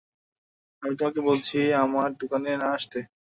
আমি তোমাকে বলেছি, আমার দোকানে না আসতে।